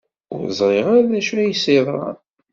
Ur ẓriɣ ara d acu u as-yeḍran.